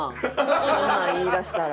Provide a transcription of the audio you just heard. そんなん言いだしたら。